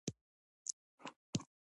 په سفر کې د مسیحیت مقدس سمبولونه شامل وو.